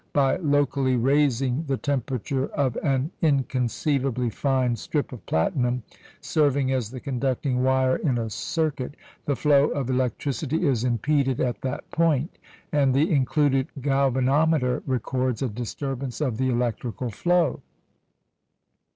By locally raising the temperature of an inconceivably fine strip of platinum serving as the conducting wire in a circuit, the flow of electricity is impeded at that point, and the included galvanometer records a disturbance of the electrical flow.